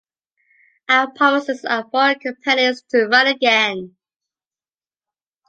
Our promises are for companies to run again.